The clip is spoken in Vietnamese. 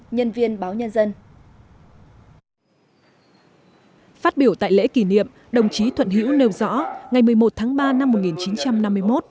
nhân viên báo nhân dân phát biểu tại lễ kỷ niệm đồng chí thuận hữu nêu rõ ngày một mươi một tháng ba năm